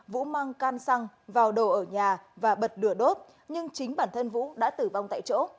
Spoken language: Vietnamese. vũ mang can xăng vào đồ ở nhà và bật lửa đốt nhưng chính bản thân vũ đã tử vong tại chỗ